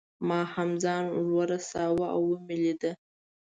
ما هم ځان ورساوه او مې لیده.